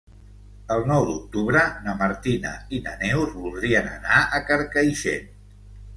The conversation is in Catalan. El nou d'octubre na Martina i na Neus voldrien anar a Carcaixent.